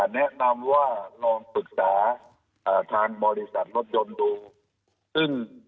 แนะนำว่าลองปรึกษาอ่าทางบริษัทรถยนต์ดูซึ่ง